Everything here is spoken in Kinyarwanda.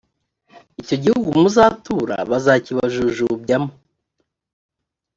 icyo gihugu muzatura bazakibajujubyamo